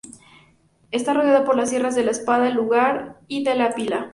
Está rodeada por las sierras de la Espada, de Lugar y de la Pila.